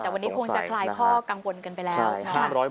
แต่วันนี้คงจะคลายข้อกังวลกันไปแล้วนะคะ